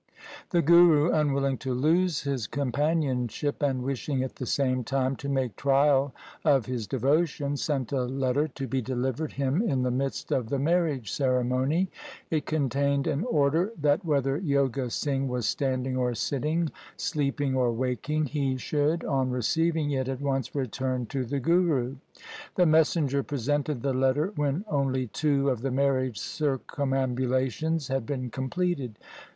The Guru unwilling to lose his companionship, and wishing at the same time to make trial of his devotion, sent a letter to be delivered him in the midst of the marriage ceremony. It contained an order that whether Joga Singh was standing or sitting, sleeping or waking, he should on receiving it at once return to the Guru. The messenger presented the letter when only two of the marriage circumambulations had been completed.